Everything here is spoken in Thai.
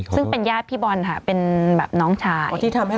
ซึ่งเป็นญาติพี่บอลค่ะเป็นแบบน้องชาย